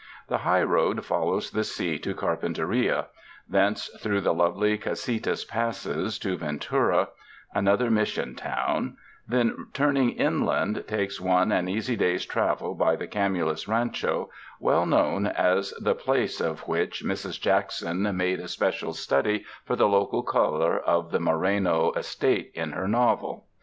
The highroad follows the sea to Carpinteria, thence through the lovely Casitas Passes to Ventura, an other Mission town; then turning inland takes one, an easy day's travel, by the Camulos Rancho, well known as the place of which Mrs. Jackson made a 105 UNDER THE SKY IN CALIFORNIA special study for the local color of the Moreno es tate in her novel.